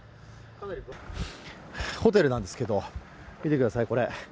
ホテルなんですけど、見てください、これ。